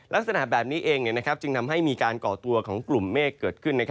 ลักษณะแบบนี้เองจึงทำให้มีการก่อตัวของกลุ่มเมฆเกิดขึ้น